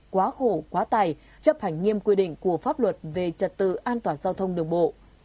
quá khổ quá tài chấp hành nghiêm quy định của pháp luật về trật tự an toàn giao thông đường bộ